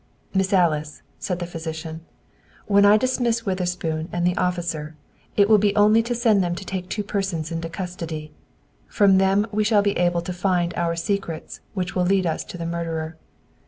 "Miss Alice," said the physician, "When I dismiss Witherspoon and the officer, it will be only to send them to take two persons into custody. From them we shall be able to find our secrets which will lead us to the murderer.